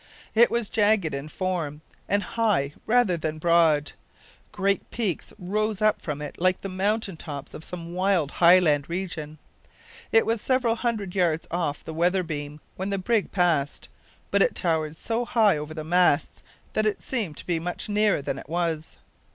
It was jagged in form, and high rather than broad. Great peaks rose up from it like the mountain tops of some wild highland region. It was several hundred yards off the weather beam when the brig passed, but it towered so high over the masts that it seemed to be much nearer than it was.